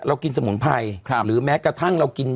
กินสมุนไพรหรือแม้กระทั่งเรากิน